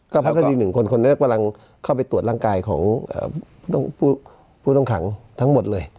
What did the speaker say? ก็พักคดีหนึ่งคนคนนี้กำลังเข้าไปตรวจร่างกายของผู้ต้องขังทั้งหมดเลย